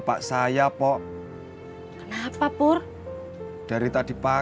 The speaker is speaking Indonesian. yang sabar ya pur